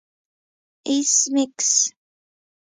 ایس میکس